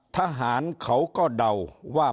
ทหารเขาก็เดาว่า